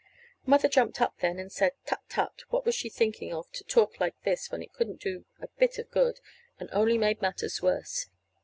Mother jumped up then, and said, "Tut, tut," what was she thinking of to talk like this when it couldn't do a bit of good, but only made matters worse.